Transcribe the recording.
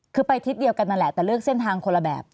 คือไปทิศเดียวกันนั่นแหละแต่เลือกเส้นทางคนละแบบ